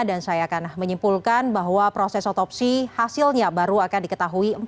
dan saya akan menyimpulkan bahwa proses otopsi hasilnya baru akan diketahui